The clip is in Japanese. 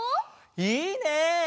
いいね！